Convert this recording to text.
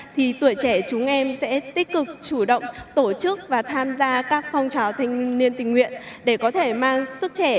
thì tuổi trẻ chúng em sẽ tích cực chủ động tổ chức và tham gia các phong trào thanh niên tình nguyện để có thể mang sức trẻ